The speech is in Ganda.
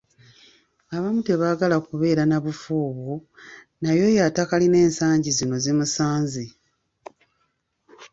Abamu tebaagala kubeera nabufo obwo, naye oyo atakalina ensangi zino zimusanze.